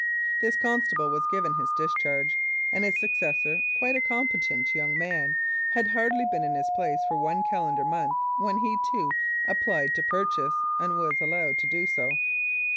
This constable was given his discharge, and his successor, quite a competent young man, had hardly been in his place for one calendar month when he, too, applied to purchase, and was allowed to do so.